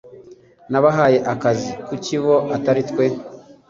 Nabahaye akazi." "Kuki bo atari twe?"